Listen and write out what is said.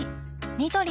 ニトリ